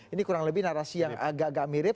ini kurang lebih narasi yang agak agak mirip